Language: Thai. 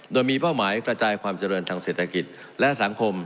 โดยมีเป้าหมายกระจายความเจริญทางเศรษฐกิจและสังคม